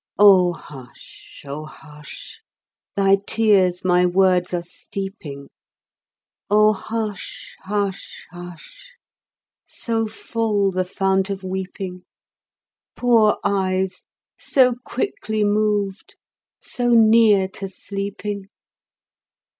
O hush, O hush! Thy tears my words are steeping. O hush, hush, hush! So full, the fount of weeping? Poor eyes, so quickly moved, so near to sleeping?